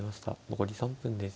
残り３分です。